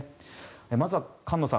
まずは菅野さん